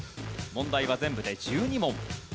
問題は全部で１２問。